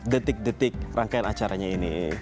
detik detik rangkaian acaranya ini